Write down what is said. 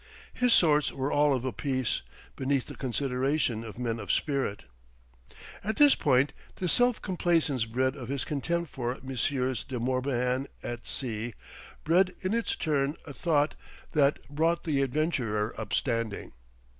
His sorts were all of a piece, beneath the consideration of men of spirit.... At this point, the self complacence bred of his contempt for Messrs. de Morbihan et Cie. bred in its turn a thought that brought the adventurer up standing.